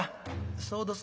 「そうどすか。